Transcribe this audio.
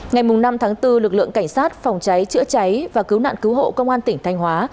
ngày năm tháng bốn lực lượng cảnh sát phòng cháy chữa cháy và cứu nạn cứu hộ công an tỉnh thanh hóa